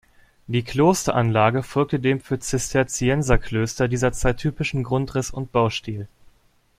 Die Klosteranlage folgte dem für Zisterzienserklöster dieser Zeit typischen Grundriss und Baustil.